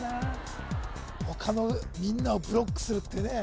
他のみんなをブロックするってね